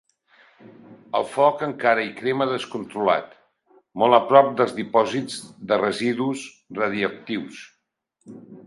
El foc encara hi crema descontrolat, molt a prop dels dipòsits de residus radioactius.